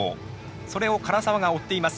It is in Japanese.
それを唐澤が追っています。